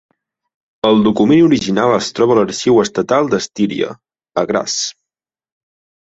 El document original es troba a l'arxiu estatal d'Estíria, a Graz.